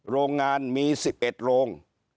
โรงงานมี๑๑โรง